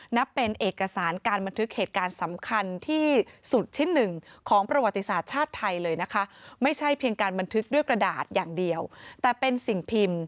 นับเป็นเอกสารการบันทึกเหตุการณ์สำคัญที่สุดชิ้นหนึ่ง